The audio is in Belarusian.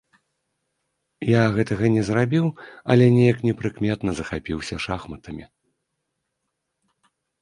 Я гэтага не зрабіў, але неяк непрыкметна захапіўся шахматамі.